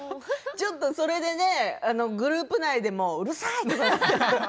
ちょっとそれでグループ内でもうるさい！とか言って。